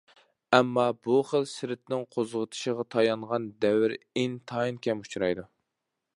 ئەمما، بۇ خىل سىرتنىڭ قوزغىتىشىغا تايانغان دەۋر ئىنتايىن كەم ئۇچرايدۇ.